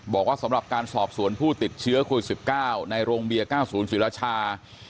บอกว่าสำหรับการสอบสวนผู้ติดเชื้อโควิด๑๙ในโรงเบียร์๙๐ศิรชา